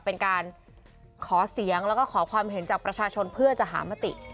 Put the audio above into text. เป็นการขอเสียงแล้วก็ขอความเห็นจากประชาชนเพื่อจะหามติ